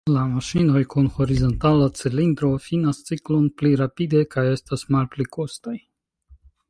La maŝinoj kun horizontala cilindro finas ciklon pli rapide kaj estas malpli kostaj.